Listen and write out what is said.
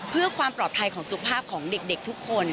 เพื่อความปลอดภัยของสุขภาพของเด็กทุกคน